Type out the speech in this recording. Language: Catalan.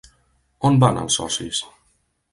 On van els socis?